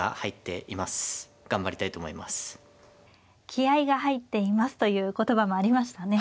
気合いが入っていますという言葉もありましたね。